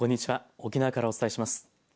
沖縄からお伝えします。